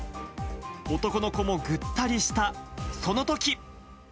男の子もぐったりした、そのとき。